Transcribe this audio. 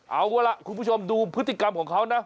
เอาล่ะคุณผู้ชมดูพฤติกรรมของเขานะ